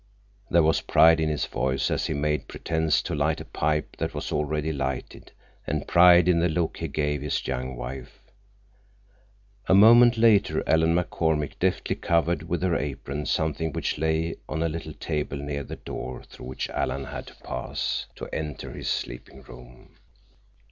There was pride in his voice as he made pretense to light a pipe that was already lighted, and pride in the look he gave his young wife. A moment later Ellen McCormick deftly covered with her apron something which lay on a little table near the door through which Alan had to pass to enter his sleeping room.